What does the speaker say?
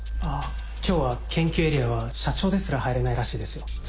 あ今日は研究エリアは社長ですら入れないらしいですよ。